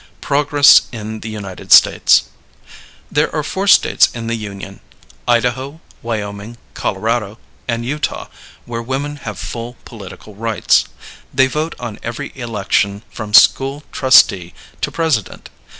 PROGRESS IN THE UNITED STATES. There are four States in the Union Idaho, Wyoming, Colorado, and Utah where women have full political rights. They vote on every election from school trustee to President.